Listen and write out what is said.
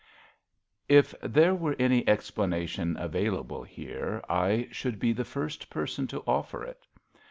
TF there were any explanation available here, I should be the first person to offer it.